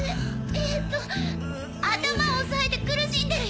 えっと頭を押さえて苦しんでるよ。